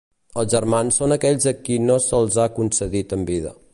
Els Germans són aquells a qui no se'ls ha concedit en vida.